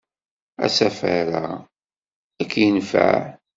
Asafar-a ad k-yenfeɛ!